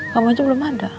kamu aja belum ada